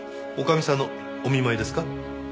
女将さんのお見舞いですか？